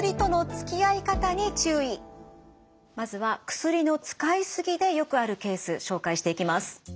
まずは薬の使いすぎでよくあるケース紹介していきます。